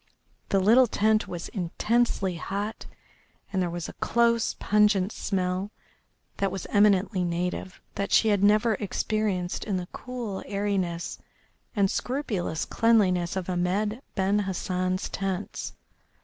The little tent was intensely hot, and there was a close, pungent smell that was eminently native that she never experienced in the cool airiness and scrupulous cleanliness of Ahmed Ben Hassan's tents.